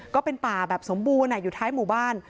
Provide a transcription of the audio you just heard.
ก็เป็นป่าแบบสมบูรณ์อยู่ท้ายหมู่บ้าน